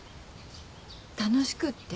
楽しくって。